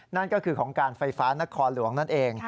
นั่นก็คือของการไฟฟ้านครหลวงนั่นเอง